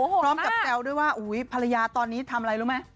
พร้อมกับแจ้วด้วยว่าอุ้ยภรรยาตอนนี้ทำอะไรรู้ไหม